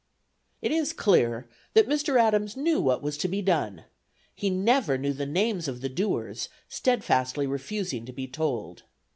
It is clear that Mr. Adams knew what was to be done; he never knew the names of the doers, steadfastly refusing to be told.